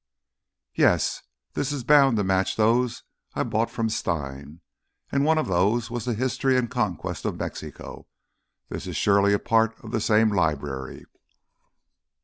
"Yes, this is bound to match those I bought from Stein. And one of those was History of the Conquest of Mexico. This is surely a part of the same library."